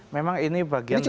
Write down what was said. memang ini bagian dari